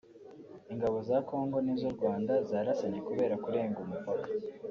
Ingabo za Congo n’iz’u Rwanda zarasanye kubera kurenga umupaka